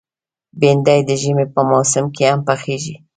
بېنډۍ د ژمي په موسم کې هم پخېږي